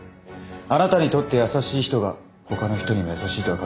あなたにとって優しい人がほかの人にも優しいとは限らない。